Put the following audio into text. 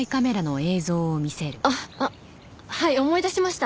あっはい思い出しました。